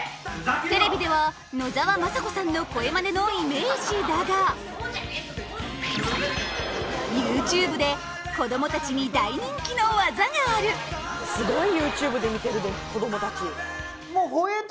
テレビでは野沢雅子さんの声まねのイメージだがＹｏｕＴｕｂｅで子どもたちに大人気の技があるすごいＹｏｕＴｕｂｅで見てるで子どもたち